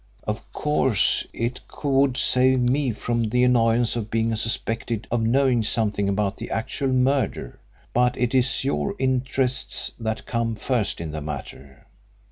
Of course it would save me from the annoyance of being suspected of knowing something about the actual murder, but it is your interests that come first in the matter.